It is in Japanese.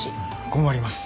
困ります。